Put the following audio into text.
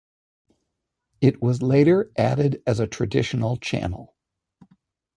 It was later added as a traditional channel.